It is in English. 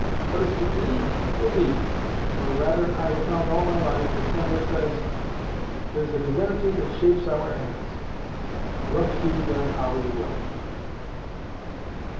What is to be, will be; or, rather, I have found all my life, as Hamlet says, 'There's a divinity that shapes our ends, Rough hew them how we will.'"